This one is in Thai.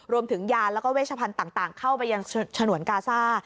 รวมถึงยานแล้วก็เวชพันธุ์ต่างเข้าไปยังฉนวนกาซ่า